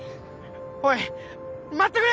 おい待ってくれ！